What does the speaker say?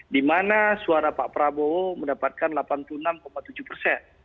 di mana suara pak prabowo mendapatkan delapan puluh enam tujuh persen